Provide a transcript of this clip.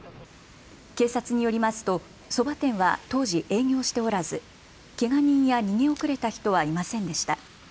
警察によりますとそば店は当時、営業しておらずけが人や逃げ遅れた人はいませんでした。